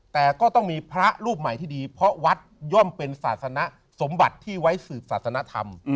แต่ก็ต้องมีพระรูปใหม่ที่ดีเพราะวัดย่อมเป็นศาสนสมบัติที่ไว้สืบศาสนธรรม